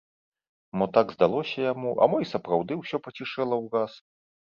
Мо так здалося яму, а мо й сапраўды ўсё пацішэла ўраз?